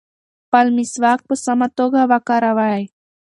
خپل مسواک په سمه توګه وکاروئ.